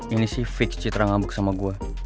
ini sih fix citra ngambek sama gue